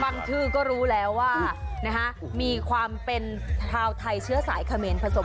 ชื่อก็รู้แล้วว่ามีความเป็นชาวไทยเชื้อสายเขมรผสม